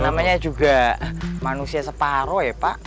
namanya juga manusia separoh ya pak